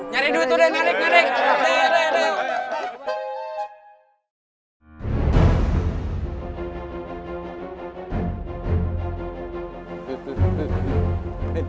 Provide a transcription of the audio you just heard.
nyari duit udah